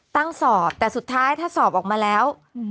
สอบแต่สุดท้ายถ้าสอบออกมาแล้ว